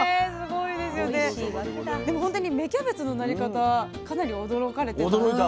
でもほんとに芽キャベツのなり方かなり驚かれてる。